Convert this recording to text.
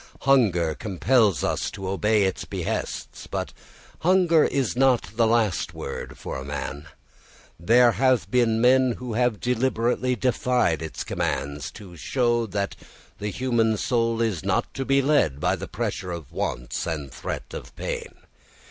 Hunger compels us to obey its behests, but hunger is not the last word for a man. There have been men who have deliberately defied its commands to show that the human soul is not to be led by the pressure of wants and threat of pain.